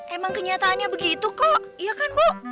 emang kenyataannya begitu kok iya kan bu